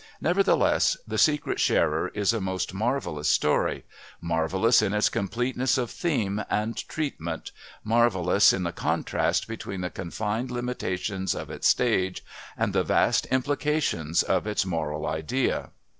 Nevertheless The Secret Sharer is a most marvellous story, marvellous in its completeness of theme and treatment, marvellous in the contrast between the confined limitations of its stage and the vast implications of its moral idea.